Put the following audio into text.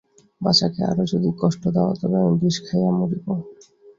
বাছাকে আরো যদি কষ্ট দাও তবে আমি বিষ খাইয়া মরিব।